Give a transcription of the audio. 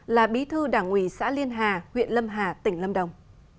là bí thư đảng ủy xã liên hà huyện lâm hà tỉnh lâm đồng